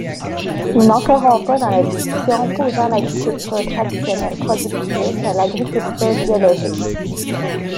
Nous n'entrerons pas dans la discussion opposant l'agriculture traditionnelles productiviste à l'agriculture biologique.